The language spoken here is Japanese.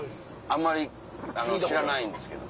あんまり知らないんですけど。